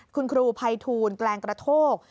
คุณครูภัยทูลแกลงกระโทก